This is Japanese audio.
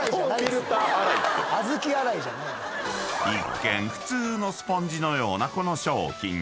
［一見普通のスポンジのようなこの商品］